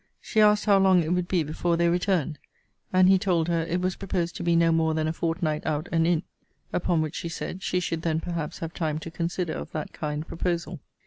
She asked how long it would be before they returned? And he told her, it was proposed to be no more than a fortnight out and in. Upon which she said, she should then perhaps have time to consider of that kind proposal.